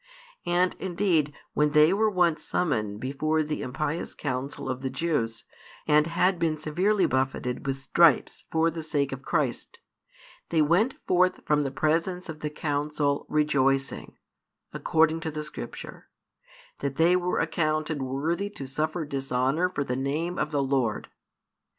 And indeed when they were once summoned before the impious Council of the Jews, and had been severely buffeted with stripes for the sake of Christ, they went forth from the presence of the council, rejoicing, according to the Scripture, that they were counted worthy to suffer dishonour for the Name of the Lord.